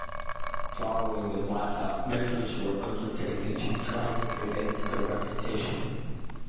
Following the blackout, measures were undertaken to try to prevent a repetition.